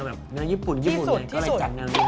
แนบเวลาญี่ปุ่นญี่ปุ่นก็เลยจัดงานนี้